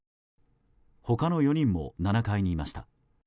他の４人も７階にいました。